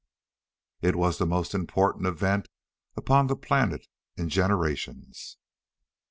It was the most important event upon the planet in generations.